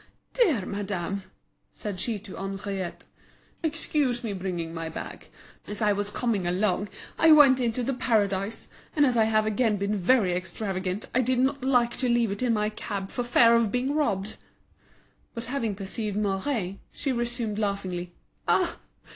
"Dear madame," said she to Henriette, "excuse me bringing my bag. Just fancy, as I was coming along I went into The Paradise, and as I have again been very extravagant, I did not like to leave it in my cab for fear of being robbed." But having perceived Mouret, she resumed laughingly: "Ah!